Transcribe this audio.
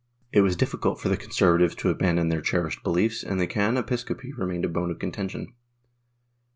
It was difficult for the conservatives to abandon their cherished beliefs, and the can. Episcopi remained a bone of contention.